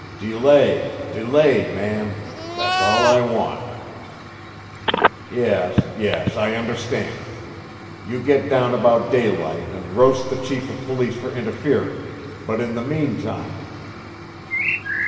Delay, delay, man! That's all I want... Yes, yes, I understand. You get down about daylight and roast the chief of police for interfering, but in the meantime!...